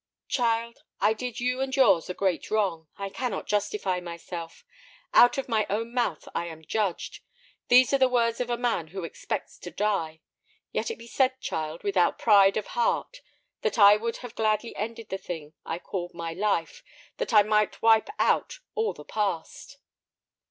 "Child, I did you and yours a great wrong. I cannot justify myself; out of my own mouth I am judged. These are the words of a man who expects to die. Yet be it said, child, without pride of heart, that I would have gladly ended the thing I called my life that I might wipe out all the past."